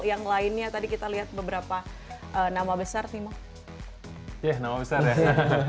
yang lainnya tadi kita lihat beberapa nama besar timo